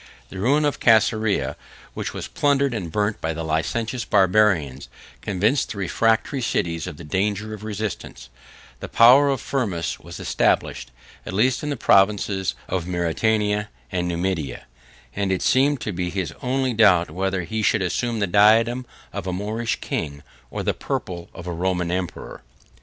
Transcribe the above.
The ruin of Cæsarea, which was plundered and burnt by the licentious Barbarians, convinced the refractory cities of the danger of resistance; the power of Firmus was established, at least in the provinces of Mauritania and Numidia; and it seemed to be his only doubt whether he should assume the diadem of a Moorish king, or the purple of a Roman emperor.